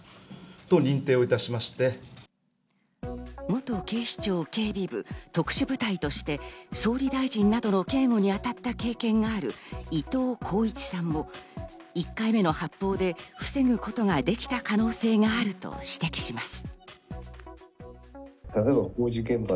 元警視庁警備部特殊部隊として総理大臣などの警護に当たった経験がある伊藤鋼一さんも１回目の発砲で防ぐことができた可能性があると指摘します。